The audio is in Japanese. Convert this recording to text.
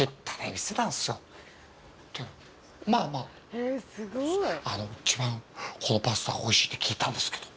でまあまああの一番ここのパスタがおいしいって聞いたんですけど。